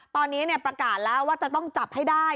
ตอนนี้ประกาศแล้วว่าจะต้องจับให้ได้